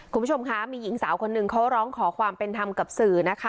คุณผู้ชมคะมีหญิงสาวคนหนึ่งเขาร้องขอความเป็นธรรมกับสื่อนะคะ